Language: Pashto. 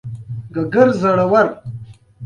ارغستان سیند اوبه لري؟